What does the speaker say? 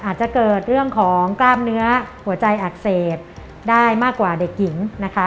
อาจจะเกิดเรื่องของกล้ามเนื้อหัวใจอักเสบได้มากกว่าเด็กหญิงนะคะ